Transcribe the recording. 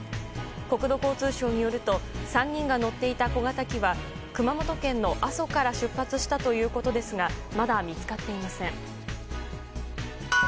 国土交通省によると３人が乗っていた小型機は熊本県の阿蘇から出発したということですがまだ見つかっていません。